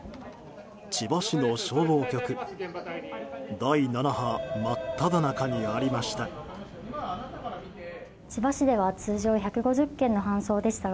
千葉市の消防局第７波真っただ中にありました。